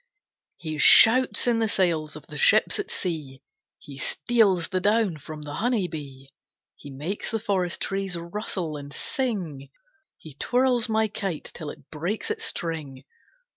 Wind He shouts in the sails of the ships at sea, He steals the down from the honeybee, He makes the forest trees rustle and sing, He twirls my kite till it breaks its string.